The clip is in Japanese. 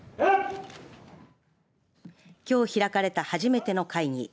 きょう開かれた初めての会議